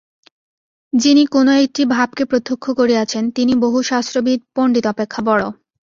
যিনি কোন একটি ভাবকে প্রত্যক্ষ করিয়াছেন, তিনি বহুশাস্ত্রবিদ পণ্ডিত অপেক্ষা বড়।